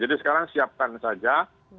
jadi sekarang siapkan saja tenaga kesehatan